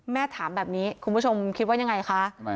แม่ถามแบบนี้คุณผู้ชมคิดว่ายังไงคะ